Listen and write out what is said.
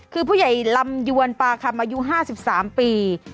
คือผู้ใหญ่ลำยวนปาคำอายุ๕๓ปี